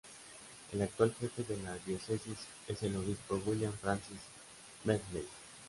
El actual jefe de la Diócesis es el Obispo William Francis Medley.